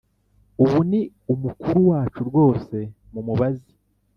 Ubu ni umukuru wacu rwose mumubaze